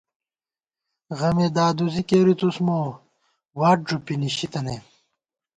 غمے دادُوزی کېرُس مو ، واٹ ݫُپی نِشِی تَنَئیم